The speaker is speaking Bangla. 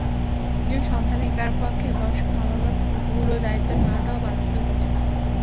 একজন সন্তানের একার পক্ষে বয়স্ক মা-বাবার পুরো দায়িত্ব নেওয়াটাও বাস্তবে কঠিন।